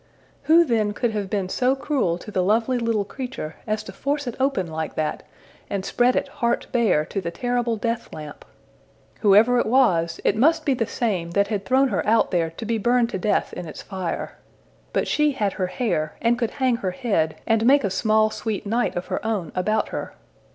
Who then could have been so cruel to the lovely little creature as to force it open like that, and spread it heart bare to the terrible death lamp? Whoever it was, it must be the same that had thrown her out there to be burned to death in its fire. But she had her hair, and could hang her head, and make a small sweet night of her own about her!